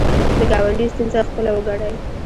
د ګاونډي ستونزه خپله وګڼئ